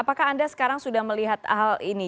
apakah anda sekarang sudah melihat hal ini